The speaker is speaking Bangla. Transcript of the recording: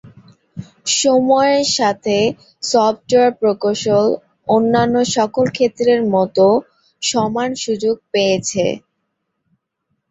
সময়ের সাথে সফটওয়্যার প্রকৌশল অন্যান্য সকল ক্ষেত্রের মত সমান সুযোগ পেয়েছে।